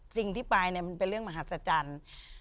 จริงที่ไปมันเป็นเรื่องมหัศจรรย์